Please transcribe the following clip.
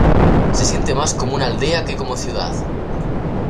Se siente más como una aldea que como ciudad.